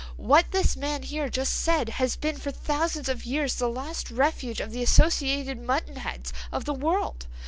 What this man here just said has been for thousands of years the last refuge of the associated mutton heads of the world.